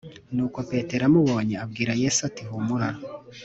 Nuko Petero amubonye abwira Yesu ati humura